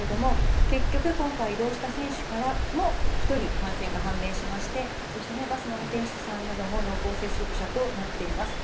結局、今回移動した選手からも１人感染が判明しましてそしてバスの運転手さんなども濃厚接触者となっています。